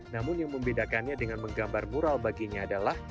namun yang membedakannya dengan menggambar mural baginya adalah